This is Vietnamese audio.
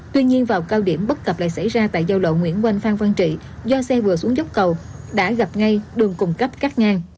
tuy nhiên vào cao điểm bất cập lại xảy ra tại giao lộ nguyễn quang văn trị do xe vừa xuống dốc cầu đã gặp ngay đường cung cấp cắt ngang